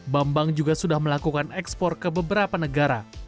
bambang juga sudah melakukan ekspor ke beberapa negara